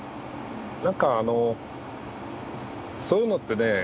なんかあのそういうのってね